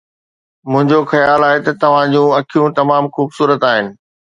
منهنجو خيال آهي ته توهان جون اکيون تمام خوبصورت آهن.